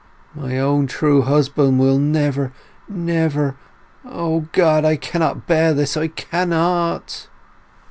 My own true husband will never, never—O God—I can't bear this!—I cannot!"